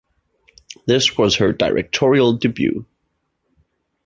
This was her directorial debut.